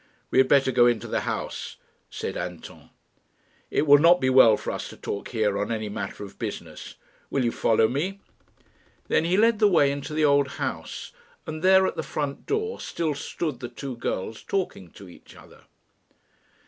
"We had better go into the house," said Anton; "it will not be well for us to talk here on any matter of business. Will you follow me?" Then he led the way into the old house, and there at the front door still stood the two girls talking to each other.